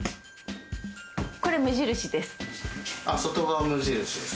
これ無印です。